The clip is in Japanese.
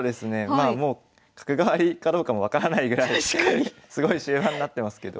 まあもう角換わりかどうかも分からないぐらいすごい終盤になってますけど。